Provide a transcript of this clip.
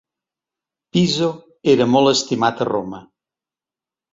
Piso era molt estimat a Roma.